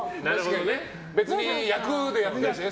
別に役でやってるしね。